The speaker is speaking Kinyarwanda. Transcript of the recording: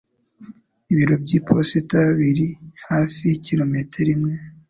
Ibiro by'iposita biri hafi kilometero imwe.